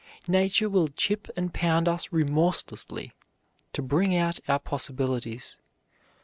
Nature will chip and pound us remorselessly to bring out our possibilities.